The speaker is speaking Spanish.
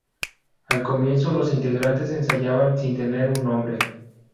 Al comienzo los integrantes ensayaban sin tener un nombre.